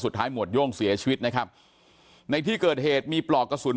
หมวดโย่งเสียชีวิตนะครับในที่เกิดเหตุมีปลอกกระสุน